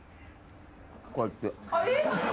こうやって。